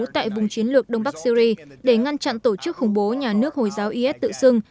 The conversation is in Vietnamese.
tại vùng chiến lược đông bắc syri để ngăn chặn tổ chức khủng bố nhà nước hồi giáo is tự xưng